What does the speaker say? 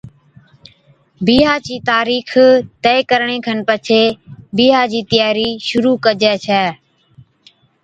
بِيھا چِي تاريخ طئي ڪرڻي کن پڇي بِيھا چِي تياري شرُوع ڪجي ڇَي